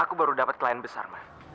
aku baru dapat klien besar